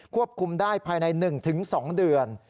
ควบคุมได้ภายใน๑๒เดือน